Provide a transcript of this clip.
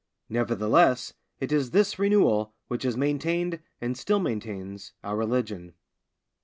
Nevertheless, it is this renewal which has maintained, and still maintains, our religion.